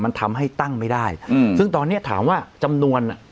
มันทำให้ตั้งไม่ได้อืมซึ่งตอนเนี้ยถามว่าจำนวนอ่ะ